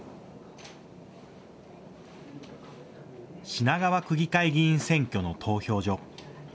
品川区議会議員選挙の投票所。